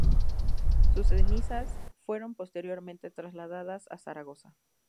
Sus cenizas fueron posteriormente trasladadas a Zaragoza.